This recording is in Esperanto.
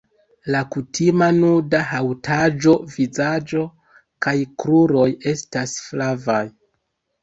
La kutima nuda haŭtaĵo vizaĝo kaj kruroj estas flavaj.